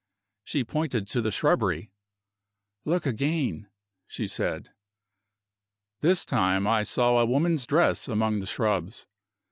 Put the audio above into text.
She pointed to the shrubbery. "Look again," she said. This time I saw a woman's dress among the shrubs.